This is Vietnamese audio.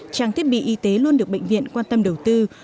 trang thiết bị y tế luôn được bệnh viện quan tâm đầu tư